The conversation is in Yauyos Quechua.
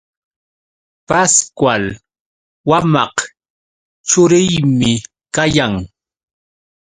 Pascual wamaq churiymi kayan.